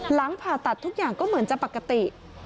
หลังผ่าตัดทุกอย่างก็เหมือนจะปกติ